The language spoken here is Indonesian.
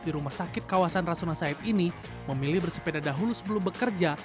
di rumah sakit kawasan rasuna said ini memilih bersepeda dahulu sebelum bekerja